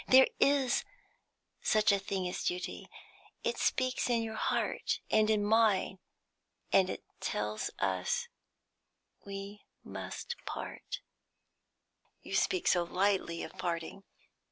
There is such a thing as duty; it speaks in your heart and in mine, and tells us that we must part." "You speak so lightly of parting.